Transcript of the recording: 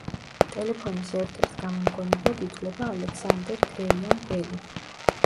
ტელეფონის ერთ-ერთ გამომგონებლად ითვლება ალექსანდერ გრეიამ ბელი.